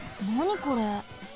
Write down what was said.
これ。